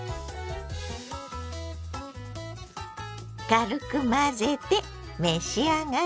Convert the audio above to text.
軽く混ぜて召し上がれ。